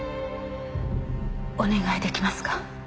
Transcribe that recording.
お願い出来ますか？